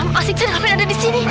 mas iksan raffi ada di sini